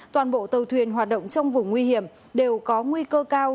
toàn bộ tàu thuyền hoạt động trong vùng nguy hiểm đều có nguy cơ cao